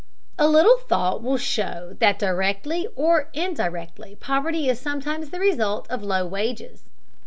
A little thought will show that directly or indirectly poverty is sometimes the result of low wages.